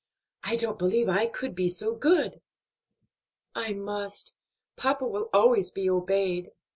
I don't believe I could be so good." "I must; papa will always be obeyed."